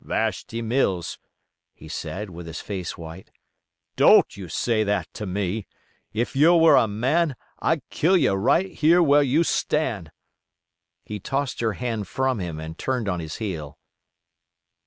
"Vashti Mills," he said, with his face white, "don't you say that to me—if yer were a man I'd kill yer right here where yer stan'!" He tossed her hand from him, and turned on his heel.